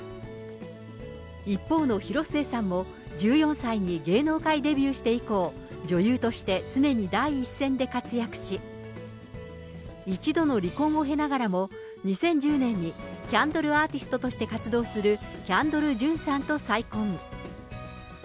一方の広末さんも、１４歳で芸能界デビューして以降、女優として常に第一線で活躍し、一度の離婚を経ながらも、２０１０年にキャンドルアーティストとして活動する、キャンドル・ジュンさんと再婚。